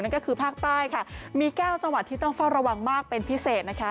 ก็คือภาคใต้ค่ะมี๙จังหวัดที่ต้องเฝ้าระวังมากเป็นพิเศษนะคะ